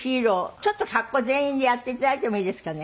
ちょっと格好全員でやっていただいてもいいですかね？